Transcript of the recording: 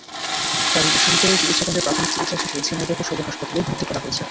তাঁদের বিশ্ববিদ্যালয়ে চিকিৎসাকেন্দ্রে প্রাথমিক চিকিৎসা শেষে ঝিনাইদহ সদর হাসপাতালে ভর্তি করা হয়েছে।